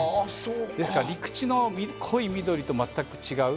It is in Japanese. ですから、陸地の濃い緑と全く違う。